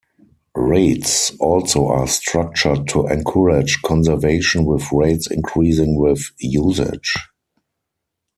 Rates also are structured to encourage conservation with rates increasing with usage.